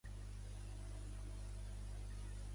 La resta d'idiomes va ser suplantada pel portuguès.